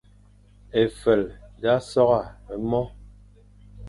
Éfel sa sorga e mo.